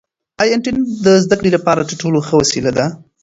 آیا انټرنیټ د زده کړې لپاره تر ټولو ښه وسیله ده؟